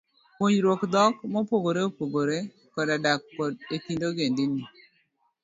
Puonjruok dhok mopogore opogore, koda dak e kind ogendini